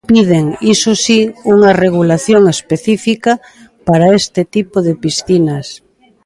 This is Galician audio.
Piden, iso si, unha regulación específica para este tipo de piscinas.